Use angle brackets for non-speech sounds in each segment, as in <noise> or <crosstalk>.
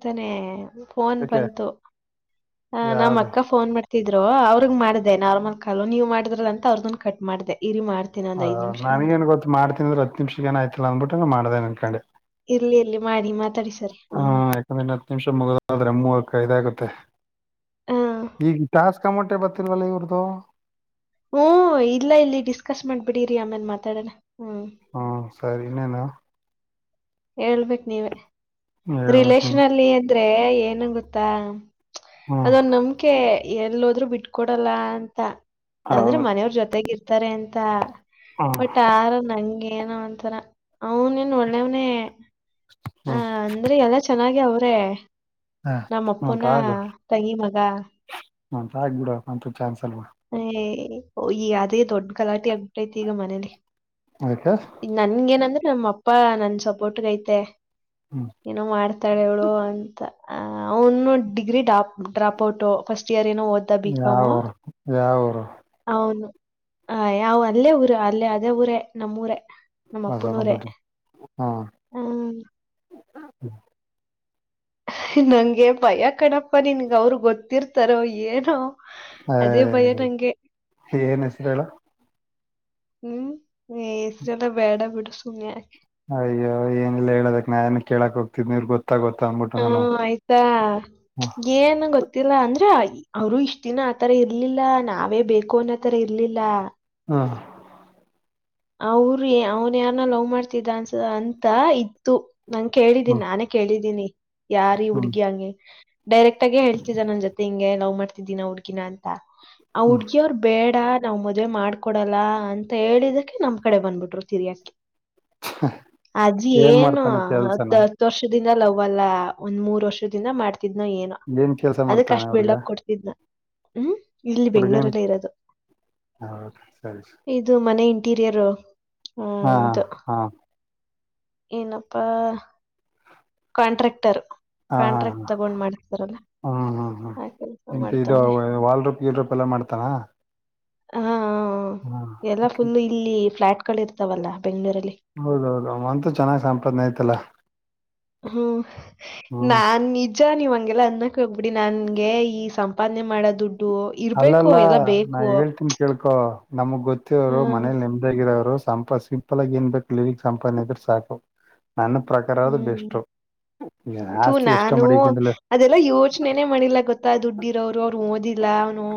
ಅಂತಾನೇ ಫೋನ್ ಯಾಕೆ ಬಂತು ಆ ನಮ್ಮ ಯಾವ್ದು ಅಕ್ಕ ಫೋನ್ ಮಾಡ್ತಿದ ಇದರು ಅವ್ರಗ್ ಮಾಡ್ದ ನಾರ್ಮಲ್ ಕಾಲು ನೀ್ ಮಾಡಿದ್ರ ಅಂತ ಅವ್ರನ್ ಕಟ್ ಮಾಡ್ದ ಹ ನನಗೇನ್ ಗೊತ್ತು ಮಾಡ್ತನ ಅ್ರೆ ಹ ನಿಮಿಷ ಏನಾಯ್ತತಿಲ್ಲ ಅಂದ್ಿು ನಂಗ ಮಾಡ್ದ ಅನ್ಕೊಂಡೆ ಇಲ್ಲಿ ಇರ್ಲ್ಲಿ ಮಾಡಿ ಮಾತಾಡ ಹಾ ಯಾಕಂದ್ರ ಇ ಹತ್ತು ನಿಮಿಷ ಮುಗಾದ್ರೆ ಮೂವಕೈದಾಗುತ್ತೆ ಹ ಈಗ ಾಸ್ ಕಮಟೆ ಬರ್ತಿಲ್ವಲ್ಲ ಇವ್ರ್ದು ಹ್ಮ ಇಲ್ಲ ಇಲ್ಲಿ ಡಿಸ್ಕಸ್ ಮಾಡ್ಬಿಡರಿ ಆಮೇನ್ ಮಾತಾಡೋಣ ಹ್ಮ್ ಹ್ಮ ಸರಿ ಇನ್ನೇನು ಹೇಳ್ಬೇಕ ನೀವ ಹೇಳ್ಬೇಕು ರಿಲೇಶನ್ ನೀನು ಅಲ್ಲಿ ಅದ್ರೆ ಏನು ಗೊತ್ತಾ ಹ್ಮ್ ಅದ ನಮಕೆ ಎಲ್ಲದ್ರು ಬಿಟ್ಕೊಡಲ್ಲ ಅಂತ ಅಂದ್ರೆ ಹೌದು ಮನೆಯವ್ರ ಜೊತೆಗ ಇರ್ತಾರೆ ಅಂತ ಹ್ಮ್ ಬಟ್ ಆಾರ ನಂಗೆ ಏನ ಅಂತರ ಅವನ್ ನ್ ಒಳ್ಳೇವ್ನೇ ಹ ಹ್ಮ್ ಅಂದ್ರೆ ಎಲ್ಲ ಚೆನ್ನಾಗಿ ಅವ್ರೆ ಹಾ ನಮ್ಮ ಅಂತ ಅಪ್ಪೂನಾ ತಂಗಿ ಮಗಾ ಆಗ್ ಬಿಡ ಅಂತ ಚಾನ್ಸ್ ಅಲ್ ಹ ಅದೇ ದೊಡ್ಡ ಗಲಾಟೆ ಆಗ್ಬಿಟ್ಟೈತಿ ಈಗ ಮನೇಲಿ ಅದಕ್ಕೆ ನನ್ಗೇನಂದ್ರೆ ನಮ್ಮ ಅಪ್ಪ ನನ್ ಸಪೋರ್ಟ್ಗೈತೆ ಹ್ಮ್ ಏನೋ ಮಾಡ್ತಾಳವಳು ಅಂತ ಅ ಅವ್ನು degree ಡಾಪ್ drop out first year ಏನೋ ಓದ್ದ ಯಾವ ಬಿಕಾಮು ಊರು? ಯಾವ ಊರು ಹೌನು ಹ ಯಾವ ಅಲ್ಲೇ ಊರ ಅಲ್ಲೇ ಅದೇ ಊರೇ ನಮ್ಮೂಊರ ನಮ್ಮ ಅಪ್ಪನೂರ ಹೊಸಬಂದೋಟೆ ಹ್ಮ್ ಹ್ಮ ನಂಗೆ ಭಯ ಕಣಪ್ಪ ನಿನ್ಗ ಅವರು ಗೊತ್ತಿರ್ತಾರೋ ಏನೋ ಹ ಅದೇ ಭಯ ನಂಗೆ ಏನ್ ಹೆಸರು ಹ್ಮ್ರ ಬೇಡ ಬಡ ಸುನ ಅಯ್ಯೋ ಏನಿಲ್ಲ ಹೇಳದಕ್ ನಾಾನಏನ್ ಕೇಳಾಕ್ೋಗ್ತಿದ್ ನೀವರ್ ಗೊತ್ತ ಹಾ ಆಯ್ತಾ ಹ್ಮ್ ಏನ್ ಗೊತ್ತ ಇತಿರ ಅಂದ್ರ ಅವ್ರು ಇಷ್ಟ ದಿನ ಆತರ ಇರ್ಲಿಲ್ಲ ನಾವೇ ಬೇಕು ಅನ್ನೋತರ ಇರ್ಲಿಲ್ಲ ಹಾ ಅವರು ಅವ್ನ್ ಯಾರ ಲವ್ ಮಾಡ್ತಿದ್ದ ಅನ್ಸ ಅಂತ ಇತ್ತು ನಂ ಕೇಳಿದೀನಿ ಹ್ಮ್ ನಾನೇ ಕೇಳಿದ್ದೀನಿ ಯಾರಿ ಹ್ಮ್ ಹುಡ್ಗಿ ಹಂಗೆ ಡೈರೆಕ್ಟ್ ಆಗೇ ಹೇಳ್ತಿದ್ದ ನನ್ ಜೊತೆ ಹಿಂಗೆ ಲವ್ ಮಾಡ್ತಿದಿದ್ದೀನ ಹುಡ್ಗಿನ ಅಂತ ಆ ಹ್ಮ್ ಹುಡ್ಗಿ ಅವ್ರು ಬೇಡ ನಾವ್ ಮದ್ವೆ ಮಾಡ್ಕೊಡಲ್ಲ ಅಂತ ಹೇಳಿದಕ್ಕೆ ನಮ್ ಕಡೆ ಬಂದ್ಬಿಟ್ರು ತಿೀರಿಯಾಕಿ ಆಜಿ ಏನ್ ಮಾಡ್ತಾನೆ ಕೆಲ್ಸನ ನುತ್ತು ವರ್ಷ ದಿನ ಲವ್ ಅಲ್ಲ ಒಂದ್ ಮೂರ್ ವರ್ಷ ದಿನ ಮಾಡ್ತ ಕೊತಿದ್ನ ಏನೋ ಏನ್ ಕೆಲ್ಸ ಅದಕ್ ಮಾಡ್ತಾನೆ ಅಷ್ಟ್ ಹುಡ್ಗ ಬಿಲ್ಡಪ್ ಕೊಡ್ತಿದ್ನ ಹ್ಮ್ ಇಲ್ಲಿ ಹುಡ್ಗೇನ್ ಬೆಂಗಗಳೂರಲ್ಲ ಇರೋದು ಸರಿ ಇದು ಮನೆ ಇಂಟೀರಿಯರ್ ಹಾ ಇದು ಹಾ ಏನಪ್ಪಾ ಕಾಂಟ್ರಾಕ್ಟರ್ ಕಾಂಟ್ರಾಕ್ಟ್ ತಗೊಂಡ್ ಮಾಡತಾರಲ್ಲ ಹ್ಮಞ ಹಾ ಹ್ಮ ಎಂತು ಇದು ವಾಲ್ರೋಪ್ ಈಲ್ ರೋಪ್ ಎಲ್ಲ ಮಾಡ್ತಾನ ಹಾ ಹಾ ಎಲ್ಲಾ ಫುಲ್ ಇಲ್ಲಿ ಫ್ಲಾಟ್ ಗಳು ಇರ್ತಾವಲ್ಲ ಬೆಂಗಳೂರಲ್ಲಿ ಹೌದೌದು ಅಂತೂ ಚೆನ್ನಾಗ್ ಸಂಪಾದನೆ ಆಯ್ತಲ್ಲ ಹ್ಮ್ ನಾನ್ ನಿಜ ನಿವ್ಗೆಲ್ಲ ಅನ್ನ ಹೋಗ್ಬಿಡಿ ನನ್ಗೆ ಈ ಸಂಪಾದನೆ ಮಾಡೋ ದುಡ್ಡು ಇರ್ಬೇಕು ಅಲ್ಲಲ್ಲ ಎಲ್ಲ ನಾ ಬೇಕು ಹೇಳ್ತೀನ್ಿ ಕೇಳ್ಕೊ ನಮಗ್ ಹಾ ಗೊತ್ತವರು ಮನೇಲಿ ನಿಮ್ದಗರವ್ರು ಸಂಪಾ ಸಿಂಪಲ್ ಆಗ ಏನ್ಬೇಕೇಕು ಲಗ್ ಸಂಪಾನಿದ್ರ ಸಾಕು ರ ಹ್ಮ್ ಬೆಸ್್ ನಾನು ಅದೆಲ್ಲಾ ಯೋಚನೆನೇ ಮಾಡಿಲ್ಲ ಗೊತ್ತಾ ದುಡ್ಡಿರ ಅವ್ರು ಅವ್ರು ಓದಿಲ್ಲ ಅವನು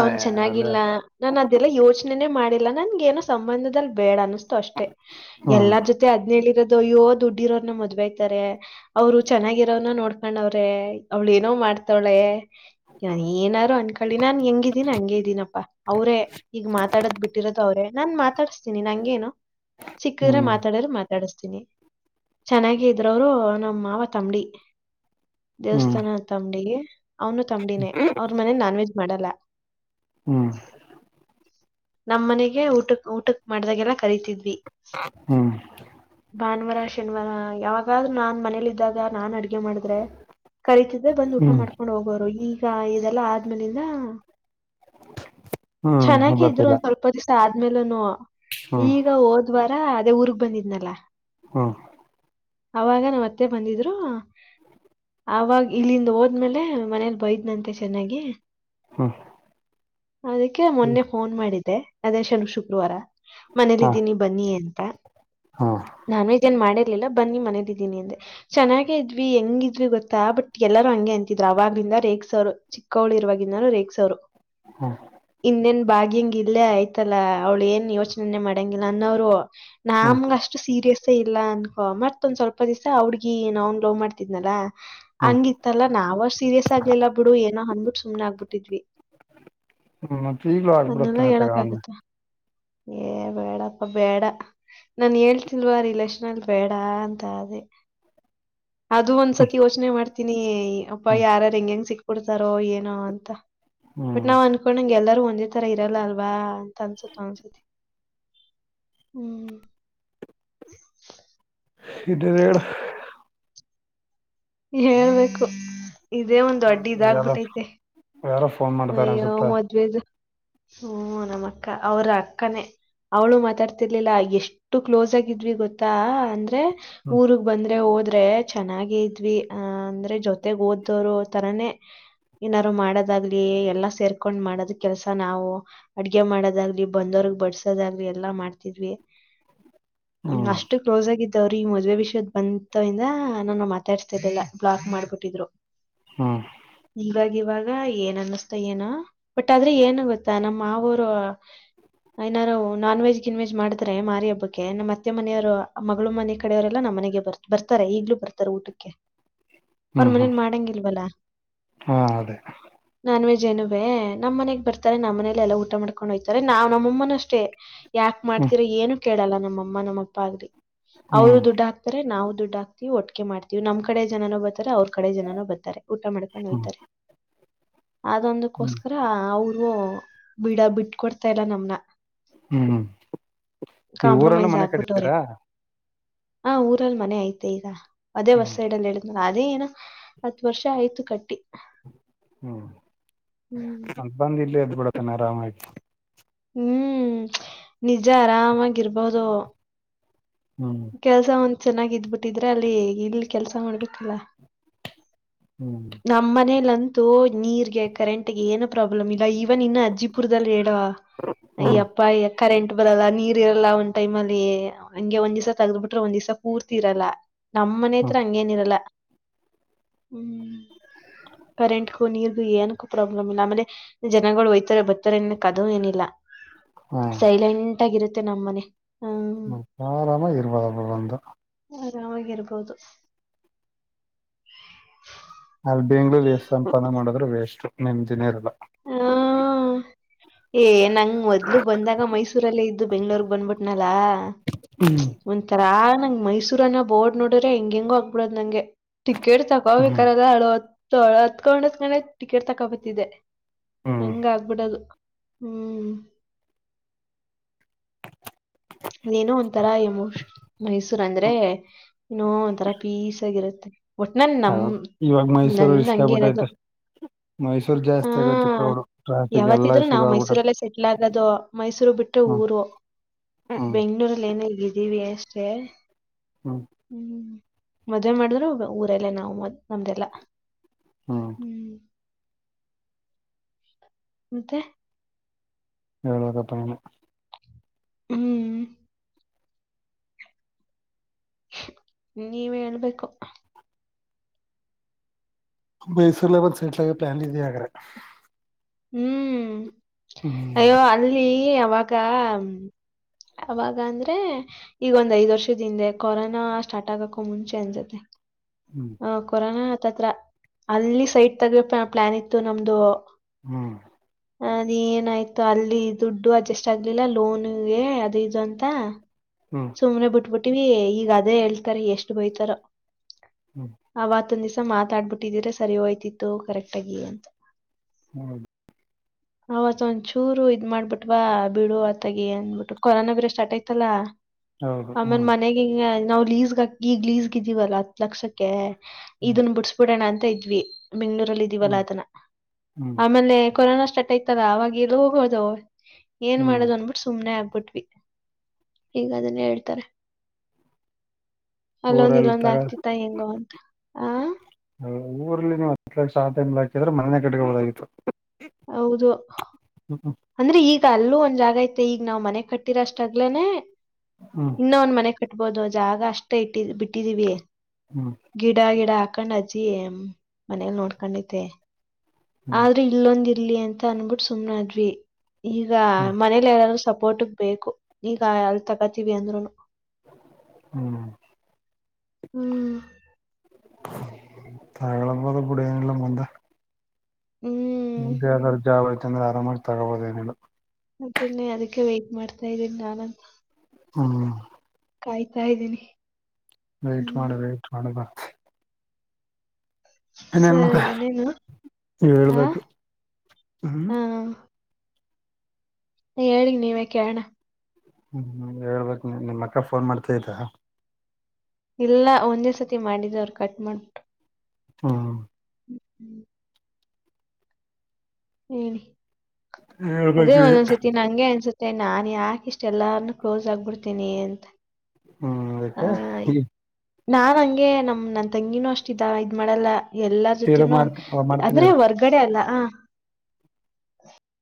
ಅವನ್ ಚೆನ್ನಾಗಿಲ್ಲ ನಾನ ಅದೆಲ್ಲ ಯೋಚನೆೇ ಮಾಡಿದ ನನ್ಗ ಏನೋ ಸಂಬಂಧದಲ್ಲಿ ಬೇಡ ಅನ್ನಿಸ್ತು ಅಷ್ಟೇ ಹ್ಮ್ ಎಲ್ಲಾರ್ ಜೊತೆ ಅದ್ನೇಳಿರೋದ ಯ್ಯೋ ದುಡ್ಡಿ ಇರೋನ್ನ ಮದ್ಬೈತಾರೆ ಅವ್ರು ಚೆನ್ನಾಗಿರೋನ ನೋಡ್ಕೊಂಡವ್ರೆ ಅವ್ಳ ಏನೋ ಮಾಡ ಮಾಡ್ತಾಳೆ ನ ಏನಾರು ಅನ್ಕಳಿ ನಾನ್ ಹೆಂಗಿದ್ದೀನ ಹಂಗಗೆ ಇದ್ದೀನಪ್ಪಾ ಅವರೇ ಈಗ ಮಾತಾಡದ್ ಬಿಟ್ಟಿರೋದು ಅವ್ರೆ ನಾನ್ ಮಾತಾಡಿಸತೀನಿ ನಂಗೇನು ಸಿಕ್ಕಿದ್ರೆ ಹ್ಮ್ ಮಾತಾಡ್ರರು ಮಾತ ಡಸ್ತೀನಿ ಚೆನ್ನಾಗ ಇದ್ರೋರು ನಮ್ಮ ಮಾವ ತಂಬಡಿ ಹ್ಮ್ ದೇವಸ್ಥಾನ ತಂಬಡಿಗೆ ಅವ್ನು ತಂಬಡಿನೇ ಅವ್ರ ಮನೆ ನಾನ್ ವೆಜ್ ಮಾಡಲ್ಲ ಹ್ಮ್ ನಮ್ಮ್ ಮನೆಗೆ ಊಟ ಊಟಕ್ ಮಾಡ್ದಾಗೆಲ್ಲ ಕರಿತಿದ್ವಿ ಹ್ಮ್ ಭಾನುವಾರ ಶನಿವಾರ ಯಾವಾಗ್ೂ ನಾನ್ ಮನೇಲಿಿದ್ದಾಗ ನಾನನ್ ಅಡ ಗೆ ಮಾಡಿದ್ರೆ ಕರೀತಿದ್ರೆ ಬಂದ್ ಊಟ ಹ್ಮ್ ಮಾಡ್ಕೊಂಡ್ ಹೋಗೋರು ಈಗ ಇದೆಲ್ಲಾ ಆದ್ಮೇಲಿಂದ ಹ್ಮ್ ಚೆನ್ನಾಗಿದ್ರು ಗೊತ್ತಿಲ್ಲ ಒಂದ ಸ್ವಲ್ಪ ದಿವಸ ಆದ ಆದ್ಮೇಲನು ಹ್ಮ್ ಈಗ ಹೋದ್ವಾರ ಅದೇ ಊರ್ಗ್ ಬಂದಿದ್ನಲ್ಲ ಹ್ಮ ಅವಾಗ ನಾವ್ವತ್ತೆ ಬಂದಿದ್ರು ಆಾಗ ಇಲ್ಲಿಂದ ಹೋದ್ಮೇಲೆ ಮನೇಲಿ ಬೈದ್ನಂತೆ ಚೆನ್ನಾಗಿ ಹ್ಮ್ ಅದಕ್ಕೆ ಮೊನ್ನೆ ಫೋನ್ ಮಾಡಿದ್ದೆ ಅದೇಶನ ಶುಕ್ರವಾರ ಹಾ ಮನೇಲಿದ್ದೀನಿ ಬನ್ನಿ ಅಂತ ಹಾ ನಾನು ಇದೇನ್ ಮಾಡ ಿಲ್ಲ ಬನ್ನಿ ಮನೇದಿದ್ದೀನಿ ಅಂದೆ ಚೆನ್ನಾಗೇ ಇದ್ವಿ ಹೆಂಗಿದ್ವಿ ಗೊತ್ತಾ ಬಟ್ ಎಲ್ಲರೂ ಹಂಗೆ ಅಂತಿದ್ರು ಅವಾಗಲ ರೇಕ್ಸ ಅವರು ಚಿಕ್ಕವಳಿ ಇರುವಾಗಿಾನೂ ರೇಕ್ಸ ಅವರು ಹಾ ಇನ್ನೆನ್ ಬಾಗ್ಯಂಗ ಇಲ್ಲೇ ಆಯ್ತಲ್ಲ ಅವ್ಳು ಏನ್ ಯೋಚನೆನನೆ ಮಾಡಂಗಿಲ್ಲ ಅನ್ನೋ್ರು ಹ್ಮ್ ನಮಗೆ ಅಷ್ಟು ಸೀರಿಯಸ್ ಸೆ ಇಲ್ಲ ಅನ್ಕೋ ಮತ್ತೊಂದ್ ಸ್ವಲ್ಪ ದಿವಸ ಅವಡ್ಗಿ ನಾನ್ ಲವ್ ಮಾಡ್ತಿದ್ನಲ್ಲ ಹ್ಮ್ ಹಂಗಿತ್ತಲ್ಲಾ ನಾವ ಸೀರಿಯಸ್ ಆಗ್ಲಿಲ್ಲ ಬಿಡು ಏನೋ ಅಂದ್ಬಿಟ್ಟು ಸುಮ್ ಆಗ್ಬಿಟ್ಟಿದ್ವಿ ಹ್ಮ್ ಮತ್ತ ಈಗ್ಲೂ ಅದನ್ನೆಲ್ಲ ಆಗ್ಬಿಡತ್ತೇನೆ ತಗನ್ನೆ ಹೇಳಕ್ಕಾಗತ್ತಾ? ಏ ಬೇಡ ಅಪ್ಪ ಬೇಡ ನಾನ್ ಹೇಳ್ತಿಲ್ವಾ ರಿಲಕ್ಷನ ಅಲ್ ಬೇಡ ಅಂತ ಅದೇ ಅದು ಒಂದ್ಸತಿ ಯೋಚನೆ ಮಾಡ್ತೀನಿ ಅಪ್ಪ ಹ್ಮ್ ಯಾರಾರು ಹೆಂಗ ಹೆಂಗ್ ಸಿಕ್ಬಿಡ್ತಾರೋ ಏನೋ ಅಂತ ಬಟ್ ಹ್ಮ್ ನಾವ್ ಅನ್ಕೊಂಡಂಗ ಎಲ್ಲಾರೂ ಒಂದೇ ತರ ಇರಲ್ಲ ಅಲ್ವಾ ಅಂತ ಅನ್ಸತ ಅನ್ಸತಿ ಹ್ಮ್ ಇನ್ನ ರಳ ಹೇಳ್ಬೇಕು ಇದೇ ಒಂದು ಅಡ್ಡಿ ಯಾರ ಇದಾಗಬಿಟ್ಟೈತೆ ಯಾರೋ ಫೋನ್ ಮಾಡ್ತಾರ ಅಯ್ಯೋ ಅನ್ಸುತ್ತ ಮದ್ವೆೇದು ಹ್ಮ ನಮ್ಮ ಅಕ್ಕ ಅವ್ರ ಅಕ್ಕನೇ ಅವಳು ಮಾತಾಡ್ತಿರ್ಲಿಲ್ಲ ಎಷ್ಟು ಕ್ಲೋಸ್ ಆಗಿದ್ವಿ ಗೊತ್ತಾ ಅಂದ್ರ ಹ್ಮ್ ಊರ್ಗ್ ಬಂದ್ರೆ ಹೋದ್ರ ಅಂದ್ರೆ ಚೆನ್ನಾಗ ಇದ್ವಿ ಅ ಅಂದ್ರೆ ಜೊತೆಗ್ ಓದೋರು ತರಾನೇ ಏನಾದಾರು ಮಾಡೋದಾಗ್ ಎಲ್ಲಾ ಸೇರ್ಕೊಂಡ್ ಮಾಡೋದ ಕೆಲಸ ನಾವು ಅಡ್ಗೆ ಮಾಡೋದಾಗ್ಲಿ ಬಂದೋರ್ಗ್ ಬಡಸೋದಾಗ್ಲಿ ಎಲ್ಲ ಮಾಡ್ತಿದ್ವಿ ಹ್ಮ ಅಷ್ಟು ಕ್ಲೋಸ್ ಆಗಿದ್ದ ್ರಿ ಈ ಮದ್ೆ ವಿಷಯದ ಬಂತಂದ ನಾನು ಮಾತಾಡ್ಸ್ತಾ ಇದಲ್ಲ ಬ್ಲಾಗ್ ಮಾಡ್ಬಿಟ್ಟಿದ್ರು ಹ್ಮ್ ಹಂಗಾಗಿ ಇವಾಗ ಏ ಅನ್ನಿಸ್ತಾ ಏನ ಬಟ್ ಆದ್ರೆ ಏನು ಗೊತ್ತಾ ನಮ್ಮ್ ಮಾವನವ್ರ್ ಏನಾರು ನಾನ್ ವೆಜ್ ಗಿನ್ ವೆಜ್ ಮಾಡ್ತಾರೆ ಮಾರಿ ಹಬ್ಬಕ್ಕೆ ನಮ್ಮ್ ಅತ್ತೆ ಮನೆಯವರು ಮಗಳು ಮನೆ ಕಡೆಯವರೆಲ್ಲಾ ನಮ್ಮ ಮನೆಗೆ ಬರ್ ಬರ್ತಾರ ಈಗ್ಲೂ ಬರ್ತಾರೆ ಊಟಕ್ಕೆ ಹ ಅವ್ರ ಮನೇನ್ ಮಾಡಂಗಿಲ್ವಲ್ಲಾ ಹಾ ಅದೇ ನಾನ್ ವೇಜ ನುವೇ ನಮ್ಮ ಮನೆಗ್ ಬರ್ತಾರೆ ನಮ್ಮನೇಲಿ ಎಲ್ಲಾ ಊಟ ಮಾಡ್ಕೊಂಡು ಹಯ್ತಾರೆ ನಾವ್ ನಮ್ಮಮ್ಮನ ಅಷ್ಟೇ ಯಾಕ ಹ್ಮ್ ಮಾಡ್ತೀರೋ ಏನು ಕೇಳಲ್ಲ ನಮ್ಮಅಮ್ಮ ನಮ್ಮಪ್ಪ ಆಗ್ರಿ ಅವ್ರು ಹ್ಮ್ ದುಡ್ಡ ಅಖ್ತರೆ ನಾವು ದುಡ್ಡಾಕ್ತಿವಿ ಒಟ್ಕೆ ಮಾಡ್ತತಿವಿ ನಮ್ಮ ಕಡೆ ಜನೋ ಬರ್ತಾರೆ ಅವ್ರ ಕಡೆ ಜನೋ ಬರ್ತಾರೆ ಊಟ ಹ್ಮ್ ಮಾಡ್ಕೊಂಡುೋಯ್ತಾರೆ ಹ್ಮ್ ಅದೊಂದಕ್ಕೋಸ್ಕರ ಅವರು ಬಿಡ ಬಿಟ್ ಕೊಡ್ತಾ ಇಲ್ಲ ನಮ್ನ ಹ್ಮ್ ಈ ಊರಲ್ಲ ಮನೆ ಕಡಿತೀರಾ ಹಾ ಊರಲ್ಲಿ ಮನೆ ಅಯ್ತೆ ಈಗ ಅದೇ ಹೊಸ ಹ್ಮ್ ಸೈಡಲ್ಲಿ ಹೇಳಿದ ಅದೇ ಏನ ಹತ್ ವರ್ಷ ಆಯ್ತು ಕಟ್ಟಿ ಹ್ಮ್ ಹ್ಮ್ ಅ ಬಂದ್ ಇಲ್ಲಿ ಅದ ಬಿಡತಾನ ಆರಾಮಾಯ್ತು ಹ್ಮ್ ನಿಜ ಆರಾಮಾಗಿರ್ಬೋದು ಹ್ಮ್ ಕೆಲ್ಸ ಒಂದ್ ಚೆನ್ನಾಗ ಇದ್ಬಿಟ್ಟಿದ್ರೆ ಅಲ್ಲಿ ಇಲ್ ಕೆಲ್ಸ ಮಾಡ್ಬೇಕಲ್ಲ ಹ್ಮ್ ನಮ್ಮ ಮನೇಲ್ಲ ಅಂತೂ ನೀರ್ಗೆ ಕರೆಂಟ್ ಗೆ ಏನ ಪ್ರಾಬ್ಲಮ್ ಇಲ್ಲ ಈವನ್ ಇನ್ನ ಅಜ್ಜಿಪುರದಲ್ಲಿ ಹ್ಮ್ ಅಯ್ಯಪ್ಪ ಕರೆಂಟ್ ಬರಲ್ಲ ನೀರ್ ಇರಲ್ಲ ಒಂದ್ ಟೈಮ ಅಲ್ಲಿ ಹಂಗೆ ಒಂದ್ ದಿವ್ ತೆಗ್ದ್ ಬಿಟ್ರೆ ಒಂದ್ ದಿವ್ಸ ಪೂರ್ತಿ ಇರಲ್ಲ ನಮ್ಮ ಮನೆ ಹ್ಮ್ ಹತ್ರ ಹಂಗೇನಿರಲ್ಲ ಹ್ಮ್ ಕರೆಂಟ್ಗೂ ನೀರ್ಗು ಏನಕ್ಕೂ ಪ್ರಾಬ್ಲಮ್ ಇಲ್ಲ ಆಮೇಲೆ ಜನಗಳು ಒಯ್ತಾರೆ ಬರ್ತಾರೆ ನ್ಕ್ ಅದು ಏನಿಲ್ಲ ಸೈಲೆಂಟ್ ಆಗಿರುತ್ತೆ ನಮ್ಮನೆ ಆರಾಮ ಇಬದುಬ್ರು ಬಂದ ಆರಾಮಾಗಿರ್ಬೋದು ಅಲ್ಲಿ ಬೆಂಗಳೂರ್ ಅಸ್ಟ್ ಸಂಪಾದಾನೆ ಮಾಡಿದ್ರರು ವೇಸ್ಟು ನಿಮ್ದಿನೇ ಇರಲ್ಲ ಹಾ ಏ ನಂಗ್ ಮೊದ್ಲು ಬಂದಾಗ ಮೈಸೂರಲ್ಲೇ ಇದ್ದು ಬೆಂಗಳೂರು ಬಂದ್ಬಿಟ್ನ ಲಾ ಹ್ಮ್ ಒಂಥರ ನಂಗ್ ಮೈಸೂರನ್ನ ಬೋರ್ಡ್ ನೋಡಿದ್ರೆ ಹೆಂಗ ಹೆಂಗ ಆಗ್ಬಿಡದ ನಂಗೆ ಟಿಕೆಟ್ ಹ್ಮ್ ತಗೊೋಬೇಕರದ ಅಳವತ್ ಹತ್ಕೊಂಡ ಅತಕೊಂಡ್ ಟಿಕೆಟ್ ತಕೋಬತಿದೆ ಹ್ಮ್ ಹಂಗ ಆಗ್ಬಿಡದು ಹ್ಮ್ ಏನೋ ಒಂಥರಾ ಎಮೋಶನ್ ಮೈಸೂರ್ ಅಂದ್ರೆ ಇನೋ ಒಂಥರಾ ಪೀಸ್ ಆಗಿರುತ್ತೆ ಒಟ್ಲಿಲಿ ನನ್ ಹೌದು ಇವಾಗ ನಮ ಮೈಸೂರು ನಂದ ರಿಸ್ಕ್ ಹಂಗಿರೋದು ಆಗ್ಬಿಟ್ಟೈತೆ ಮೈಸೂರ್ ಹಾ ಜಾಸ್ತಿ ಆಗೈತೆ ಕ್ರೌಡ್ ಟ್ರಾಫಿಕ್ ಎಲ್ಲ ಯಾವತ್ತಿದ್ರು ಶುರು ನಾವ್ ಆಗ್ಬಿಟ್ಟೈತೆ ಮೈಸೂರಲ್ಲೇ ಸೆಟ್ಲ್ ಆಗದು ಮೈಸೂರು ಬಿಟ್ಟ ಹ್ಮ್ ಊರು <unintelligible> ಬೆಂಗಳೂರು ರಲ್ಲಿ ಏನ ಹೇಗಿದ್ದೀವಿ ಅಷ್ಟೇ ಹ್ಮ್ ಹ್ಮ್ ಮದುವೆ ಮಾಡಿದ್ರು ಊರಲ್ಲೇ ನಾವು ಮ ನಮ್ದೆಲ್ಲಾ ಹ್ಮ್ ಮತ್ತೆ ಏಳ ಕತ್ತ ಹ್ಮ್ ನೀವ್ ಹೇಳ್ಬೇಕು ಮೈಸೂರುಲಾ ಬಂದ ಸೆಂಟ್ಲ್ ಆಗ ಪ್ಲಾನ್ ಇದ ಹಾಗರ ಹ್ಮ್ ಅಯ್ಯೋ ಅಲ್ಲಿ ಅವಾಗ ಅವಾಗ ಅಂದ್ರೆ ಈಗೊಂದ್ ಐದ್ ವರ್ಷದ ಹಿಂದೆ ಕೊರೋನಾ ಸ್ಟಾರ್ಟ್ ಆಗಕ ಮುಂಚೆ ಅನ್ಸತ್ತೆ ಹ್ಮ್ ಹ ಕೊರೋನಾ ಅತ್ರತ್ರ ಅಲ್ಲಿ ಸೈಟ್ ತಗ ಪ್ಲಾನ್ ಇತ್ತು ನಮ್ದು ಹ್ಮ್ ಅದ ಏನಾಯ್ತು ಅಲ್ಲಿ ದುಡ್ಡು ಅಡ್ಜಸ್ಟ್ ಆಗ್ಲಿಲ್ಲ ಲೋನ್ ಅದು ಇದು ಅಂತ ಹ್ಮ್ ಸುಮ್ನೆ ಬಿಟ್ಬಿಟ್ಟಿವ ಈಗ ಅದೇ ಹೇಳ್ತಾರ ಎಷ್ಟು ಬಯತಾರ ಹ್ಮ್ ಅವತ್ತೊಂದ್ ದಿಸ ಮಾತಾಡಬಿಟ್ಟಿದ್ರೆ ಸರಿ ಹೋಯ್ತಿತ್ತು ಕರೆಕ್ಟ್ ಅಂತ ಹ್ಮ ಅವತ್ ಒಂದ್ ಚೂರು ಇದ್ ಮಾಡ್ಬಿಟ್ವಾ ಬಿಡು ಆತಗ ಅನ್ಬಿಟ್ಟು ಕೊರೋನಾ ಬೇರೆ ಸ್ಟಾರ್ಟ್ ಆಯ್ತಲ್ಲಾ ಹೌದು ಆಮೇನ್ ಹೌದು ಮನೆಗೆ ಹ ನಾವು ಲೀಸ್ಗಾ ಈಗ್ ಲೀಸ್ಗ್ದೀವಲ್ಲ ಹತ್ ಲಕ್ಷಕ್ಕೆ ಹ್ಮ್ ಇದನ್ ಬಿಡ್ಸ್ಬಿಡೋಣ ಅಂತ ಇದ್ವಿ ಬೆಂ್ಳೂರಲ್ಲಿ ಇದೀವಲ್ಲ ಹ್ಮ್ ಅದನ ಹ್ಮ್ ಹ್ಮ್ ಆಮೇಲೆ ಕೊರೋನಾ ಸ್ಟಾರ್ಟ್ ಆಯ್ತಲ್ಲ ಅವಾಗ ಎಲ್ಲ ಹೋಗೋದು ಏನ್ ಹ್ಮ್ ಮಾಡದು್ ಅನ್ಬಿಟ್ು ಸುಮ್ನೆ ಆಗ್ಬಿಟ್ವಿ ಹೀಗ ಅದನ್ನೇ ಹೇಳ್ತಾರೆ ಅಲ್ಲೊಂದ್ ಊರಲ್ಲಿ ಇಲ್ಲೊಂದ್ ತಗ ಆಗ್ತಿತ್ತ ಹೆಂಗೋ ಅಂತ ಆ ಊರಲ್ಲಿ ನೀವು ಅ ಸಹಾಯ ಹಾಕಿದ್ರೆ ಮನೆ ಕಡೆಗ ಒಳಗತ್ತು ಹೌದು ಅಂದ್ರೆ ಈಗ ಅಲ್ಲೂ ಒಂದ್ ಜಾಗ ಐತೆ ಈಗ ನಾ್ ಮನೆ ಕಟ್ಟಿರಷ್ಟಾಗಗ್ಲೇನೆ ಹ್ಮ್ ಇನ್ನ ಒಂದ್ ಮನೆ ಬಿಡ್ಬೋದು ಜಾಗ ಅಷ್ಟೇ ಇಟ್ಟಿದ ಬಿಟ್ಟಿದೀವಿ ಹ್ಮ್ ಗಿಡ ಗಿಡ ಹಕೊಂಡ್ ಅಜ್ಜಿ ಮನೇಲಿ ನೋಡ್ಕೊಂಡತೆೆ ಹ್ಮ್ ಆದ್ರೆ ಇಲ್ಲೊಂದ ಇಲ್ಲಿ ಅಂತ ಅಂದಬಿಟ್ಟ ಸುಮ್ನಾದ್ವಿ ಈಗ ಹ್ಮ್ ಮನೇಲಿ ಎಲ್ಲಾದೂ ಬೋಟಕ್ ಬೇಕು ಈಗ ಎಲ್ ತಗೋತೀವಿ ಅಂದ್ರುನು ಹ್ಮ್ ಹ್ಮ್ ತಗಳಪದ ಬಿಡ ಏನಲ್ಲ ಬಂದ ಹ್ಮ್ ಮು್ದೆ ಯಾವಾದ್ರು ಜಾಬ್ ಆಯ್ತಂದ್ರೆ ಆರಾಮಾಗಿ ತಗೋಬೋದ ಏನು ಮತ್ತೆನ್ನೆ ಅದಕ್ಕೆ ವೈಟ್ ಮಾಡ್ತಾ ಇದ್ದೀನಿ ನಾನಂತ ಹ್ಮ್ ಕಾಯ್ತಾ ಇದ್ದೀನಿ ವೈ್ಟಟ್ ಹ್ಮ್ ಮಾಡ ವೈ್ಟಟ್ ಮಾಡ ಬಾ ಇನೇನ್ ಮತ್ತ ಸರಿ ಇನ್ನೇನು ನೀವ ಆ ಹೇಳ್ಬೇಕು ಹ್ಮ್ ಹ ಹೇಳಿ ನೀವೇ ಕೇಳಣ ಹ್ಮ್ ಹ್ಮ್ ಹೇಳ್ಬೇಕಕ್ ನೀ ನಿನ್ ಮಕ್ಕ ಫೋನ್ ಮಾಡ್ತಯತ ಇಲ್ಲ ಒಂದೇ ಸತಿ ಮಾಡಿದ ಅವರು ಕಟ್ ಮಾಡ್ಬ ಹಾ ಹ್ಮ ಅದೇ ಹೇಳ್ಬೇಕು ಒಂದೊಂದ್ಸತಿ ನಂಗೆ ಅನ್ಸತಿ ಅಷ್ಟೆ ನಾನನ್ ಯಾಕೆ ಇಷ್ಟ ಎಲ್ಲಾರ್ನು ಕ್ಲೋಸ್ ಆಗ್ಬಿಡ್ತೀನಿ ಅಂತ ಹ್ಮ್ ಆ, ಅದಕ್ಕೆ ನಾನ್ ಹಂಗೆ ನಮ ನನ್ ತಂಗಿನೂ ಅಷ್ಟ ಇದ ಇದ್ ಮಾಡಲ್ಲ ಎಲ್ಲಾ ಇರು ಜೊತನೂಂಗ ಮಾಡ್ತ ಮಾಡ್ತೀನಿ ಅಂದ್ರೆ ಇರು ಹೊರ್ಗಡೆ ಅಲ್ಲ